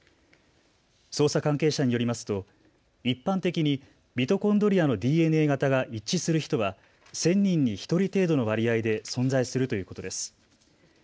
捜査関係者によりますと一般的にミトコンドリアのＤＮＡ型が一致する人は１０００人に１人程度の割合で存在するということです。